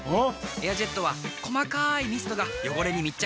エアジェットは細かいミストが汚れに密着！